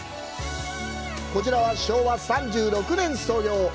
こちらは、昭和３６年創業。